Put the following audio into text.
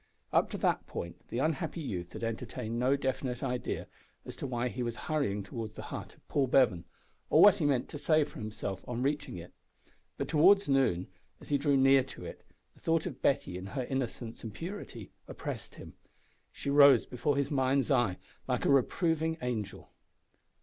Up to that point the unhappy youth had entertained no definite idea as to why he was hurrying towards the hut of Paul Bevan, or what he meant to say for himself on reaching it. But towards noon, as he drew near to it, the thought of Betty in her innocence and purity oppressed him. She rose before his mind's eye like a reproving angel.